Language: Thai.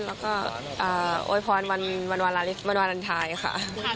แล้วก็โอ้ยพรวันวันวันอันทรายค่ะ